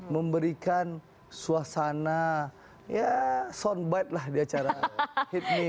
memberikan suasana soundbite di acara hipmi